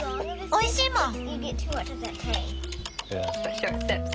おいしいもん。